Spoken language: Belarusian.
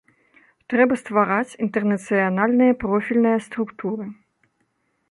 Трэба ствараць інтэрнацыянальныя профільныя структуры.